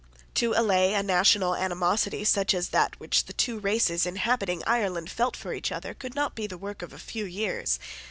To allay a national animosity such as that which the two races inhabiting Ireland felt for each other could not be the work of a few years.